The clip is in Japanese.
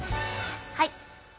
はい。